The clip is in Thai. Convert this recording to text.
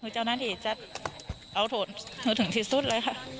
เจ้านักฐีจะเอาโถทึกถึงที่สุดเลยค่ะ